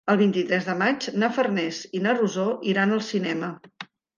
El vint-i-tres de maig na Farners i na Rosó iran al cinema.